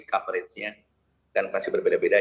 coveragenya dan pasti berbeda beda